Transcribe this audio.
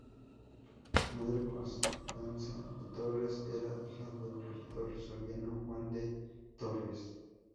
Su madre, Constanza de Torres, era hija del regidor soriano Juan de Torres.